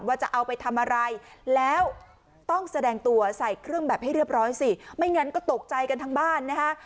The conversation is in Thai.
ว่าจะเอาไปทำอะไรแล้วต้องแสดงตัวใส่เครื่องแบบให้เรียบร้อยสิไม่งั้นก็ตกใจกันทั้งบ้านนะคะ